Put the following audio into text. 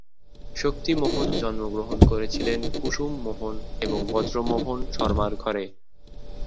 শক্তি মোহন জন্মগ্রহণ করেছিলেন কুসুম মোহন এবং ব্রজমোহন শর্মার ঘরে।